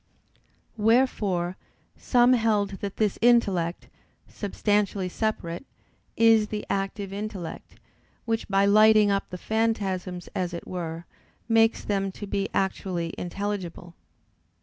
Wherefore some held that this intellect, substantially separate, is the active intellect, which by lighting up the phantasms as it were, makes them to be actually intelligible.